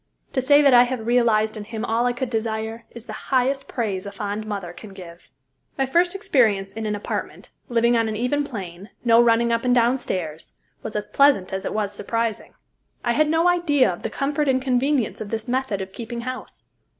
To say that I have realized in him all I could desire, is the highest praise a fond mother can give. My first experience in an apartment, living on an even plane, no running up and down stairs, was as pleasant as it was surprising. I had no idea of the comfort and convenience of this method of keeping house.